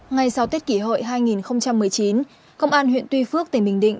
ngay sau tết kỷ hội hai nghìn một mươi chín công an huyện tuy phước tỉnh bình định